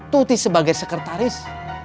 tuti sebagai sekretaris